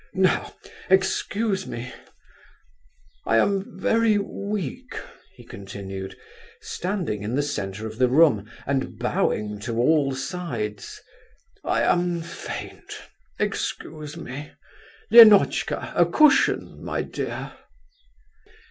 Now... Excuse me, I am very weak," he continued, standing in the centre of the room, and bowing to all sides. "I am faint; excuse me! Lenotchka... a cushion... my dear!"